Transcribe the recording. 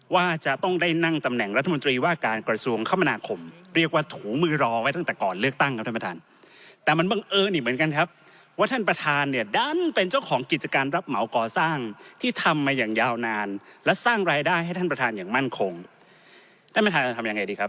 ว่าจะต้องได้นั่งตำแหน่งรัฐมนตรีว่าการกระทรวงคม